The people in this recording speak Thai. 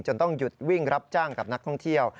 ต้องหยุดวิ่งรับจ้างกับนักท่องเที่ยว